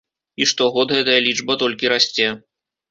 І штогод гэтая лічба толькі расце.